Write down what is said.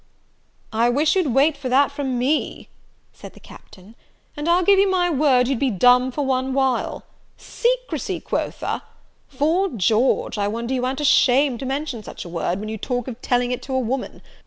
"I wish you'd wait for that from me," said the Captain, "and I'll give you my word you'd be dumb for one while. Secrecy, quoth a! 'Fore George, I wonder you an't ashamed to mention such a word, when you talk of telling it to a woman.